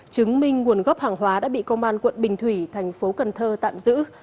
chứng minh nguồn gốc hàng hóa đã bị công an quận bình thủy tp cn tạm giữ